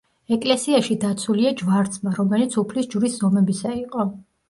ეკლესიაში დაცულია ჯვარცმა, რომელიც უფლის ჯვრის ზომებისა იყო.